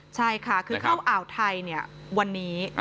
ใช่ค่ะคือเข้าอ่าวไทยวันนี้